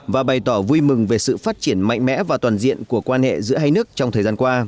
và bày tỏ vui mừng về sự phát triển mạnh mẽ và toàn diện của quan hệ giữa hai nước trong thời gian qua